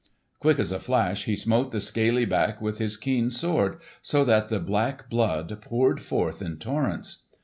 Quick as a flash he smote the scaly back with his keen sword, so that the black blood poured forth in torrents.